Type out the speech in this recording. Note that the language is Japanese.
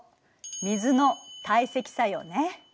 水の堆積作用ね。